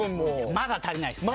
まだ足りないです。